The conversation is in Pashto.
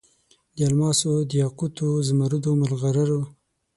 د الماسو، دیاقوتو، زمرودو، مرغلرو